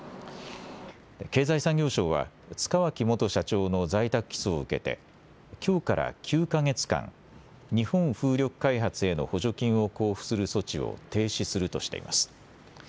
経済産業省は塚脇元社長の在宅起訴を受けて、きょうから９か月間、日本風力開発への補助金を交付する措置を停止するとしています。